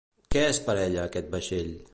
Què és per ella aquest vaixell?